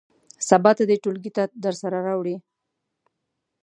سبا ته دې ټولګي ته درسره راوړي.